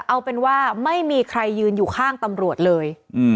เอาเป็นว่าไม่มีใครยืนอยู่ข้างตำรวจเลย